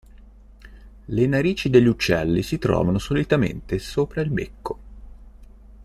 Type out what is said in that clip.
Le narici degli uccelli si trovano solitamente sopra il becco.